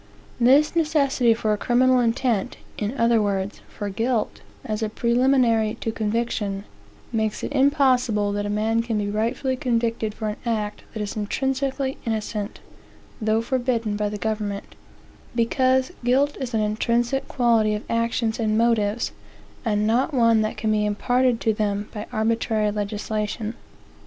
This necessity for a criminal intent in other words, for guilt as a preliminary to conviction, makes it impossible that a man can be rightfully convicted for an act that is intrinsically innocent, though forbidden by the government; because guilt is an intrinsic quality of actions and motives, and not one that can be imparted to them by arbitrary legislation.